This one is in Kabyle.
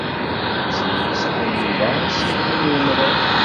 Wissen ma yesɛa Yuba isili n umrar.